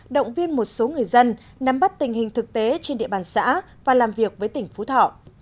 động viên một số người dân nắm bắt tình hình thực tế trên địa bàn xã và làm việc với tỉnh phú thọ